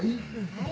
はい。